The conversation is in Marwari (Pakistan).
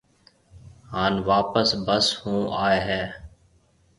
هانَ واپس بس هون آئي هيَ۔